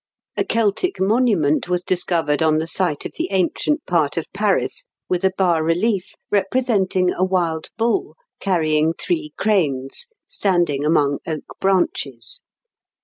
A Celtic monument was discovered on the site of the ancient part of Paris, with a bas relief representing a wild bull carrying three cranes standing among oak branches.